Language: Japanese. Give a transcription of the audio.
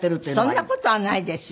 そんな事はないですよ。